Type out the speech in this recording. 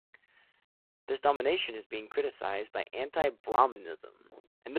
This domination is being criticised by Anti-Brahminism.